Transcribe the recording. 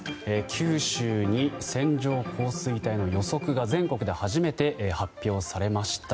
九州に線状降水帯の予測が全国で初めて発表されました。